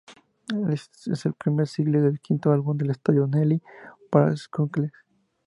Es el primer single del quinto álbum de estudio de Nelly, "Brass Knuckles".